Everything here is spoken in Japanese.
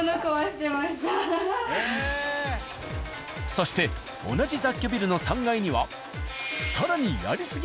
そして同じ雑居ビルの３階には。